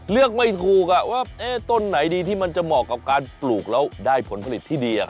เลือกไม่ถูกว่าต้นไหนดีที่มันจะเหมาะกับการปลูกแล้วได้ผลผลิตที่ดี